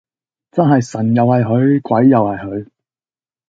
真係神又係佢鬼又係佢